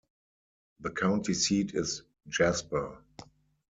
The county seat is Jasper.